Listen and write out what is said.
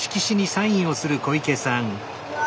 うわ。